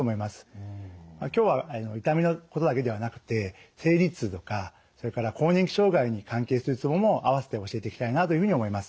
今日は痛みのことだけではなくて生理痛とかそれから更年期障害に関係するツボもあわせて教えていきたいなというふうに思います。